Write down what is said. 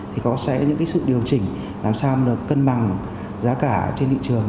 sẽ có những sự điều chỉnh làm sao cân bằng giá cả trên thị trường